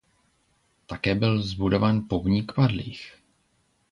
Také byl zbudován pomník padlých.